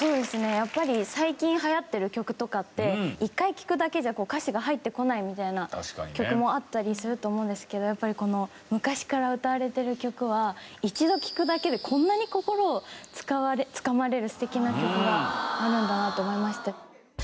やっぱり最近流行ってる曲とかって１回聴くだけじゃ歌詞が入ってこないみたいな曲もあったりすると思うんですけどやっぱりこの昔から歌われている曲は一度聴くだけでこんなに心をつかまれる素敵な曲があるんだなと思いました。